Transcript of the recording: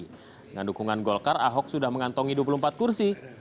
dengan dukungan golkar ahok sudah mengantongi dua puluh empat kursi